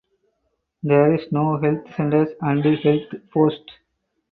There is no health centers and health posts.